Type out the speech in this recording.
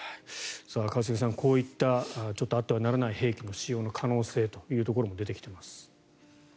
一茂さん、こういったちょっとあってはならない兵器の使用の可能性というところも出てきています。